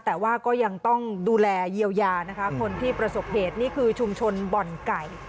แต่ว่าก็ยังต้องดูแลเยียวยานะคะคนที่ประสบเหตุนี่คือชุมชนบ่อนไก่